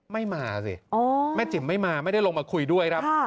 ไม่มาสิแม่จิ๋มไม่มาไม่ได้ลงมาคุยด้วยครับ